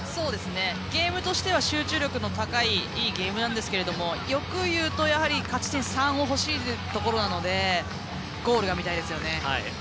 ゲームとしては集中力の高いいいゲームなんですけど欲を言うと勝ち点３が欲しいところなのでゴールが見たいですよね。